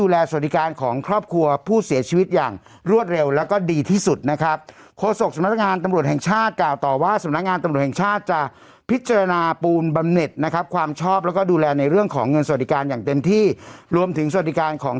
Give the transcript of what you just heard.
เรื่องของเงินสวัสดิ์การอย่างเต็มที่รวมถึงสวัสดิการของ